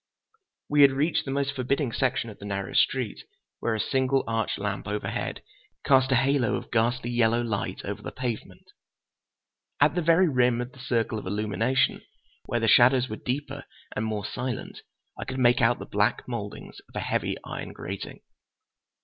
We had reached the most forbidding section of the narrow street, where a single arch lamp overhead cast a halo of ghastly yellow light over the pavement. At the very rim of the circle of illumination, where the shadows were deeper and more silent, I could make out the black mouldings of a heavy iron grating.